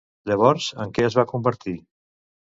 Llavors, en què es va convertir?